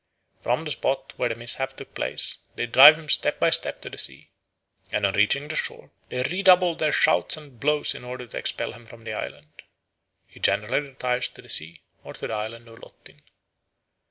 From the spot where the mishap took place they drive him step by step to the sea, and on reaching the shore they redouble their shouts and blows in order to expel him from the island. He generally retires to the sea or to the island of Lottin.